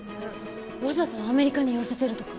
わざとアメリカに寄せてるとか？